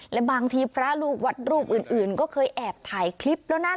และบางทีพระลูกวัดรูปอื่นก็เคยแอบถ่ายคลิปแล้วนะ